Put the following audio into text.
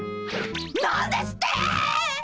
何ですって！